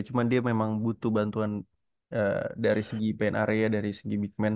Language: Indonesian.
cuman dia memang butuh bantuan eh dari segi main area dari segi big man